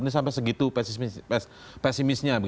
ini sampai segitu pesimisnya